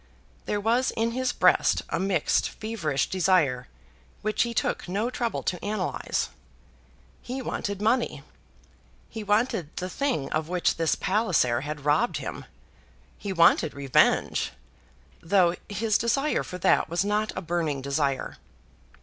There was in his breast a mixed, feverish desire, which he took no trouble to analyse. He wanted money. He wanted the thing of which this Palliser had robbed him. He wanted revenge, though his desire for that was not a burning desire.